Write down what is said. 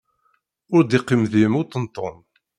Ur d-iqqim deg-m uṭenṭun.